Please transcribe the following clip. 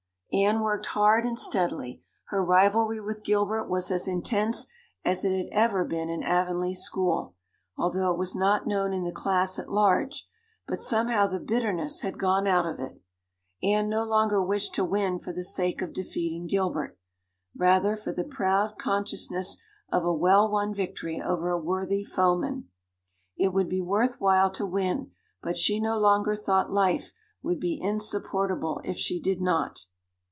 Anne worked hard and steadily. Her rivalry with Gilbert was as intense as it had ever been in Avonlea school, although it was not known in the class at large, but somehow the bitterness had gone out of it. Anne no longer wished to win for the sake of defeating Gilbert; rather, for the proud consciousness of a well won victory over a worthy foeman. It would be worth while to win, but she no longer thought life would be insupportable if she did not.